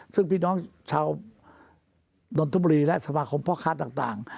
ซึ่งพี่น้องชาวนนทบุรีและสมาคมพ่อค้าต่าง